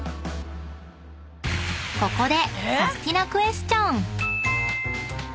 ［ここで］